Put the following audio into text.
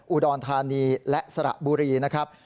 อุดรธานีและสระบุรีนะครับ